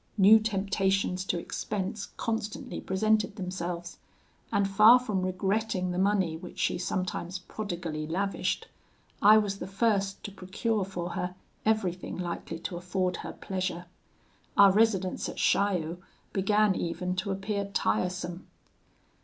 New temptations to expense constantly presented themselves, and far from regretting the money which she sometimes prodigally lavished, I was the first to procure for her everything likely to afford her pleasure. Our residence at Chaillot began even to appear tiresome.